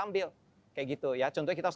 ambil kayak gitu ya contohnya kita harus